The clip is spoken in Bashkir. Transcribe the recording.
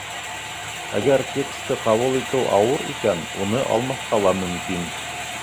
Әгәр тексты ҡабул итеү ауыр икән, уны алмаҫҡа ла мөмкин.